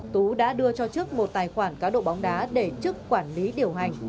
tú đã đưa cho trức một tài khoản cáo độ bóng đá để trức quản lý điều hành